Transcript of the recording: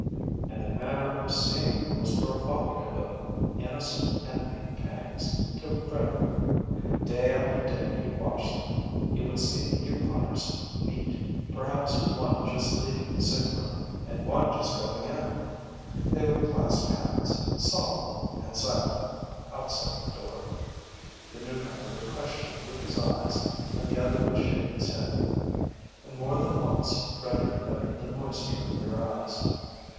And their manner of seeing him was provocative of innocent envy pangs to Frederick. Day after day he watched them. He would see the Yukoners meet, perhaps one just leaving the sick room and one just going in. They would clasp hands, solemnly and silently, outside the door. The newcomer would question with his eyes, and the other would shake his head. And more than once Frederick noted the moisture in their eyes.